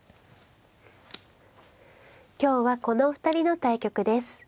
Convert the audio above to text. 今日はこのお二人の対局です。